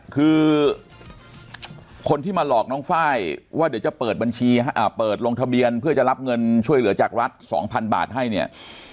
คือคนที่มาหลอกน้องไฟล์ว่าเดี๋ยวจะเปิดบัญชีเปิดลงทะเบียนเพื่อจะรับเงินช่วยเหลือจากรัฐ๒๐๐๐บาทให้เนี่ย